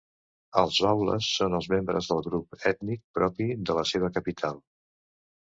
Els baules són els membres del grup ètnic propi de la seva capital.